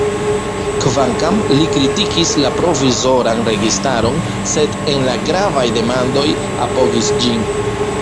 Kvankam li kritikis la provizoran registaron, sed en la gravaj demandoj apogis ĝin.